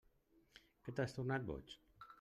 Que t'has tornat boig?